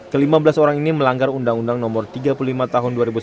kelima belas orang ini melanggar undang undang no tiga puluh lima tahun dua ribu sebelas